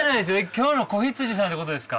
今日の子羊さんってことですか？